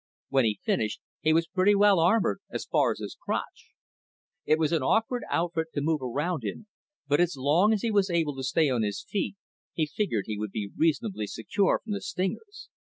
When he finished, he was pretty well armored as far as his crotch. It was an awkward outfit to move around in, but as long as he was able to stay on his feet, he figured he would be reasonably secure from the stingers.